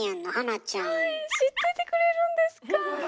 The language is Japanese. はい知っててくれるんですか！